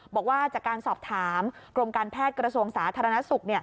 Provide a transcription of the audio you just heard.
บอกว่าจากการสอบถามกรมการแพทย์กระทรวงสาธารณสุข